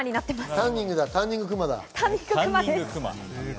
タンニングクマです。